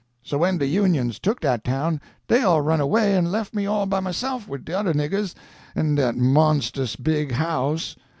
So when de Unions took dat town, dey all run away an' lef' me all by myse'f wid de other niggers in dat mons'us big house.